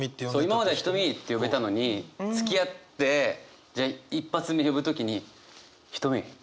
今まで「ひとみ」って呼べたのにつきあってじゃあ一発目呼ぶ時にひとみ。